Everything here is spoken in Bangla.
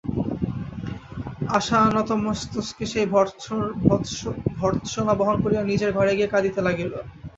আশা নতমস্তকে সেই ভর্ৎসনা বহন করিয়া নিজের ঘরে গিয়া কাঁদিতে লাগিল।